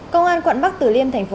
cơ quan quản bác tử liêm tp hà nội